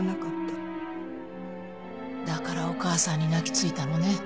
だからお母さんに泣きついたのね。